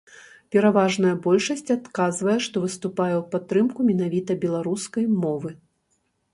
Пераважная большасць адказвае, што выступае ў падтрымку менавіта беларускай мовы.